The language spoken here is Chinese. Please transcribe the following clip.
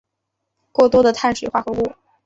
过多的碳水化合物